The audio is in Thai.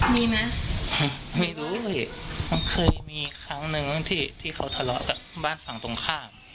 มีไหมไม่รู้พี่มันเคยมีครั้งนึงที่ที่เขาทะเลาะกับบ้านฝั่งตรงข้าม